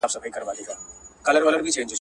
تورو پنجرو کي له زندان سره به څه کوو ..